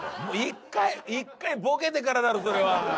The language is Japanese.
１回１回ボケてからだろそれは。